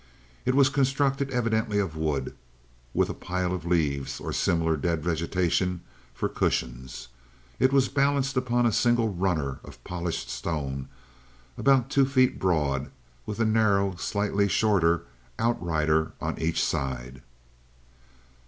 It was constructed evidently of wood, with a pile of leaves, or similar dead vegetation, for cushions. It was balanced upon a single runner of polished stone, about two feet broad, with a narrow, slightly shorter outrider on each side.